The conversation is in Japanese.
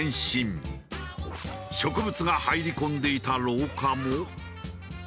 植物が入り込んでいた廊下も。